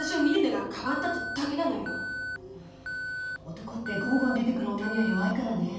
男ってゴンゴン出てくる女には弱いからねえ。